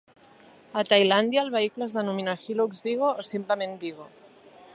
A Tailàndia, el vehicle es denomina Hilux Vigo o simplement Vigo.